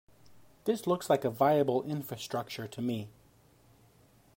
This looks like a viable infrastructure to me.